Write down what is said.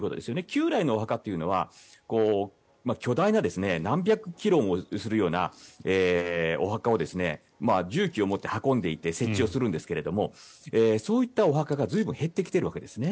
旧来のお墓は、巨大な何百キロもするようなお墓を重機を持って運んで行って設置をするんですがそういったお墓が随分減ってきているんですね。